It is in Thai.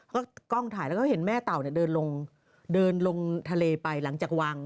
ก็กล้องถ่ายแล้วก็เห็นแม่เต่าเดินลงทะเลไปหลังจากวัง